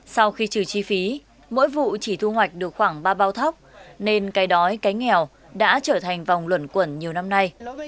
sau khi trừ chi phí mỗi vụ chỉ thu hoạch được khoảng ba bao thóc nên cái đói cái nghèo đã trở thành vòng luẩn quẩn nhiều năm nay